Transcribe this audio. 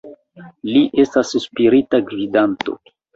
Li estas spirita gvidanto.